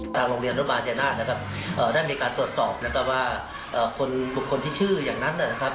โรงเรียนอนุบาลชายนาฏนะครับได้มีการตรวจสอบนะครับว่าคนบุคคลที่ชื่ออย่างนั้นนะครับ